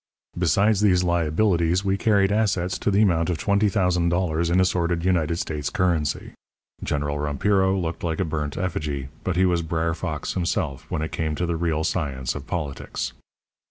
Besides these liabilities we carried assets to the amount of $20,000 in assorted United States currency. General Rompiro looked like a burnt effigy, but he was Br'er Fox himself when it came to the real science of politics.